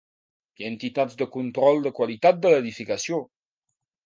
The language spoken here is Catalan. Hi ha entitats de control de qualitat de l'edificació.